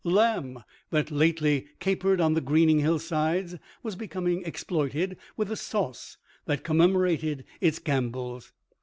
Lamb, that lately capered on the greening hillsides, was becoming exploited with the sauce that commemorated its gambols.